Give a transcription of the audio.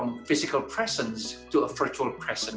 kewajiban fisik ke kewajiban virtual